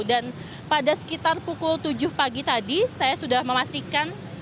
dan pada sekitar pukul tujuh pagi tadi saya sudah memastikan